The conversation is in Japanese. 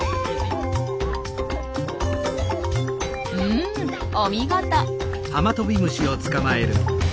うんお見事！